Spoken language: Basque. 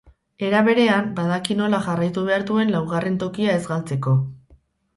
Era berean, badaki nola jarraitu behar duen laugarren tokia ez galtzeko.